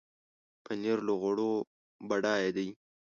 پنېر له غوړو بډایه دی.